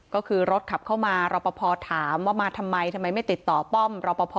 ก็คือรถขับเข้ามาเราพอถามว่าทำไมไม่ติดต่อป้อม